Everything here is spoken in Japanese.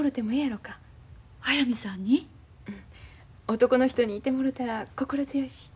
男の人にいてもろたら心強いし。